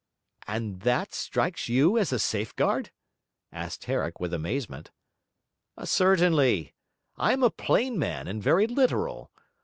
'And that strikes you as a safeguard?' asked Herrick with amazement. 'Certainly. I am a plain man and very literal.